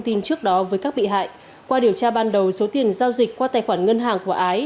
tin trước đó với các bị hại qua điều tra ban đầu số tiền giao dịch qua tài khoản ngân hàng của ái